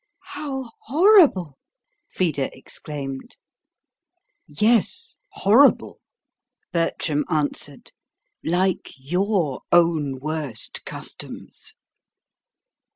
"How horrible!" Frida exclaimed. "Yes, horrible," Bertram answered; "like your own worst customs.